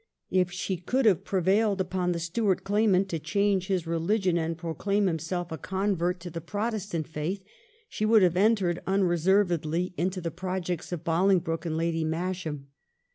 If she could have prevailed upon the Stuart claimant to change his religion and pro claim himself a convert to the Protestant faith, she would have entered unreservedly into the projects of Bolingbroke and Lady Masham.